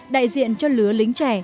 đại diện cho lứa lính trẻ